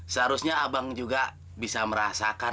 seharusnya abang juga bisa merasakan